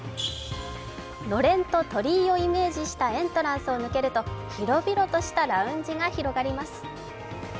のれんと鳥居をイメージしたエントランスを抜けると、広々としたラウンジが広がります。